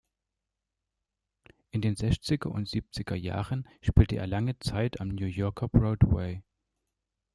In den Sechziger und Siebziger Jahren spielte er lange Zeit am New Yorker Broadway.